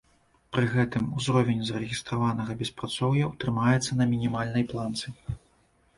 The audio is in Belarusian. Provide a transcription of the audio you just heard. Пры гэтым узровень зарэгістраванага беспрацоўя ў трымаецца на мінімальнай планцы.